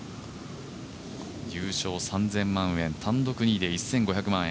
優勝３０００万円単独２位で１５００万円。